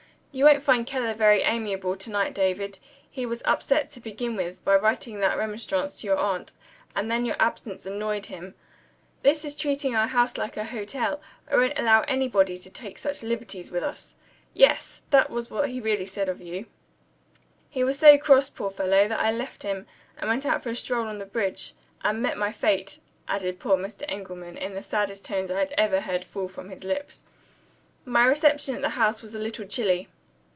You won't find Keller very amiable to night, David. He was upset, to begin with, by writing that remonstrance to your aunt and then your absence annoyed him. 'This is treating our house like an hotel; I won't allow anybody to take such liberties with us.' Yes! that was really what he said of you. He was so cross, poor fellow, that I left him, and went out for a stroll on the bridge. And met my fate," added poor Mr. Engelman, in the saddest tones I had ever heard fall from his lips. My reception at the house was a little chilly.